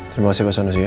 terima kasih pak sanusi ya